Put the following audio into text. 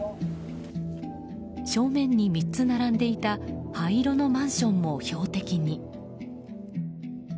正面に３つ並んでいた灰色のマンションも標的に。